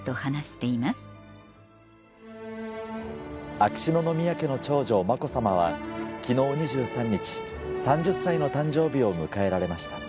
秋篠宮家の長女子さまは昨日２３日３０歳の誕生日を迎えられました。